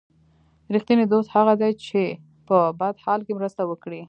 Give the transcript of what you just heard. رښتینی دوست هغه دی چې په بد حال کې مرسته وکړي.